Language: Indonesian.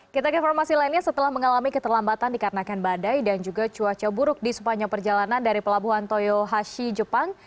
kita ke informasi lainnya setelah mengalami keterlambatan dikarenakan badai dan juga cuaca buruk di sepanjang perjalanan dari pelabuhan toyohashi jepang